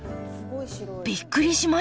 びっくりしましたね